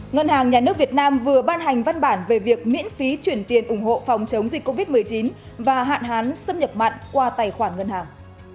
ngân hàng nhà nước việt nam vừa ban hành văn bản về việc miễn phí chuyển tiền ủng hộ phòng chống dịch covid một mươi chín và hạn hán xâm nhập mặn qua tài khoản ngân hàng